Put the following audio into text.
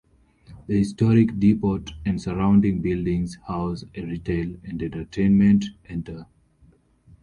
The historic depot and surrounding buildings house a retail and entertainment center.